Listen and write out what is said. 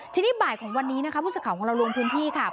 ทีนี้บ่ายของวันนี้นะคะผู้สื่อข่าวของเราลงพื้นที่ค่ะ